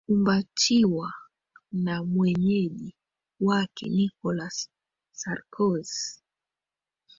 umbatiwa na mwenyeji wake nicolas sarkozy